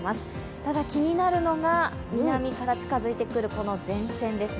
ただ、気になるのが南から近づいてくる前線です。